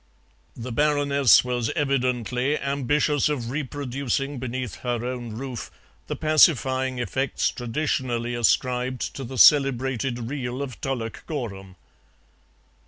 The Baroness was evidently ambitious of reproducing beneath her own roof the pacifying effects traditionally ascribed to the celebrated Reel of Tullochgorum.